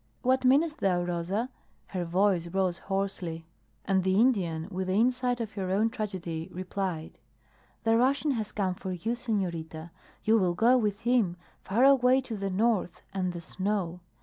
"What meanest thou, Rosa?" Her voice rose hoarsely. And the Indian, with the insight of her own tragedy, replied: "The Russian has come for you, senorita. You will go with him, far away to the north and the snow.